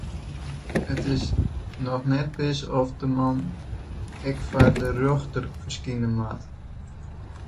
It is noch net wis oft de man ek foar de rjochter ferskine moat.